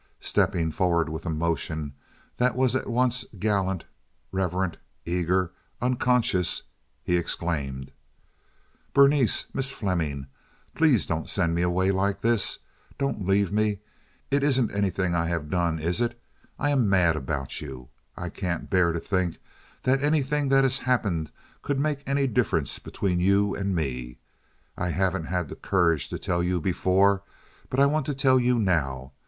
Stepping forward with a motion that was at once gallant, reverent, eager, unconscious, he exclaimed: "Berenice! Miss Fleming! Please don't send me away like this. Don't leave me. It isn't anything I have done, is it? I am mad about you. I can't bear to think that anything that has happened could make any difference between you and me. I haven't had the courage to tell you before, but I want to tell you now.